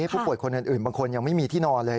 ผู้ป่วยคนอื่นบางคนยังไม่มีที่นอนเลย